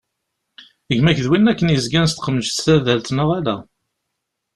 Gma-k d win akken yezgan s tqemjet tadalt, neɣ ala?